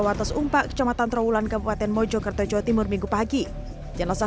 watas umpak kecamatan trawulan kabupaten mojokerto jawa timur minggu pagi jenazah